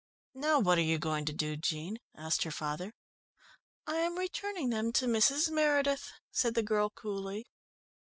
"Now what are you going to do, Jean?" asked her father. "I am returning them to Mrs. Meredith," said the girl coolly.